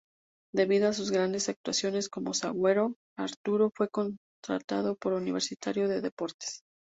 Debido a sus grandes actuaciones como zaguero, Arturo fue contratado por Universitario de Deportes.